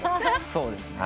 そうですね。